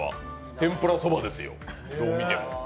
天ぷら蕎麦ですよ、どう見ても。